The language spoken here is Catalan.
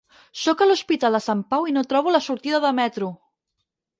Sóc a l'Hospital de Sant Pau i no trobo la sortida de metro!